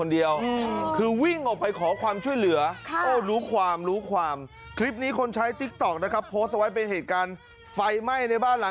ดีกว่าหนูเป็นอะไรนะ